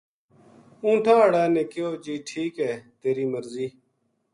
اونٹھاں ہاڑا نے کہیو جی ٹھیک ہے تیری مرضی